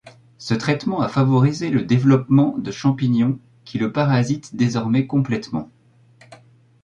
Ce traitement a favorisé le développement de champignons qui le parasitent désormais complètement.